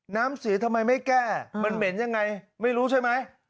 น้ำเสียทำไมไม่แก้มันเหม็นยังไงไม่รู้ใช่ไหม